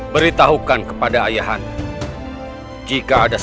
beritahukan kepada rai